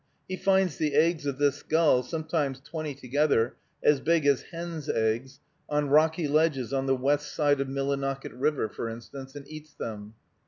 He finds the eggs of this gull, sometimes twenty together, as big as hen's eggs, on rocky ledges on the west side of Millinocket River, for instance, and eats them.